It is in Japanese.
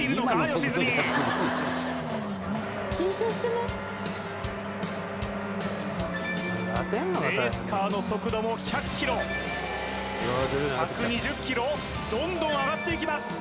良純レースカーの速度も１００キロ１２０キロどんどん上がっていきます